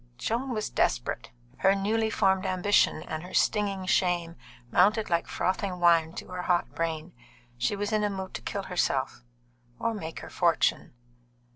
Joan was desperate. Her newly formed ambition and her stinging shame mounted like frothing wine to her hot brain. She was in a mood to kill herself or make her fortune.